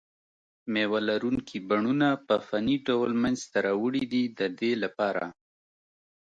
مېوه لرونکي بڼونه په فني ډول منځته راوړي دي د دې لپاره.